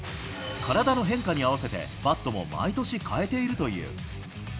体の変化に合わせて、バットも毎年変えているという。